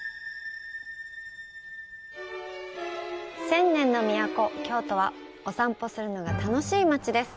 千年の都、京都はお散歩をするのが楽しい町です。